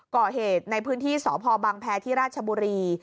ก่อเหตุในพื้นที่สพบังแพรที่ราชบุรี